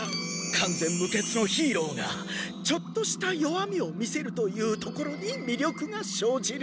完全無欠のヒーローがちょっとした弱みを見せるというところにみりょくが生じる。